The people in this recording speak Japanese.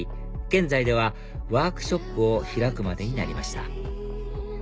現在ではワークショップを開くまでになりました